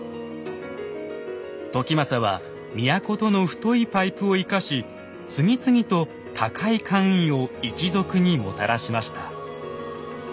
時政は都との太いパイプを生かし次々と高い官位を一族にもたらしました。